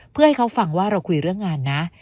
เพื่อให้เขาฟังว่าเราคุยเรื่องงานนะ